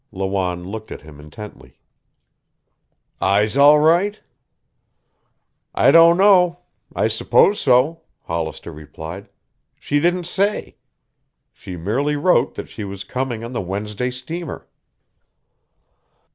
Lawanne looked at him intently. "Eyes all right?" "I don't know. I suppose so," Hollister replied. "She didn't say. She merely wrote that she was coming on the Wednesday steamer."